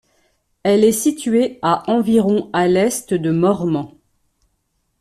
Elle est située à environ à l’est de Mormant.